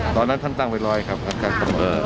ตอนนั้นท่านตั้งเป็นรอยครับครับครับครับ